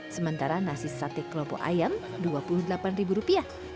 sementara nasi sate klopo ayam rp dua puluh delapan